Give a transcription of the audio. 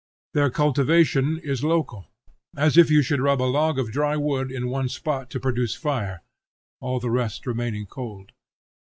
Their cultivation is local, as if you should rub a log of dry wood in one spot to produce fire, all the rest remaining cold.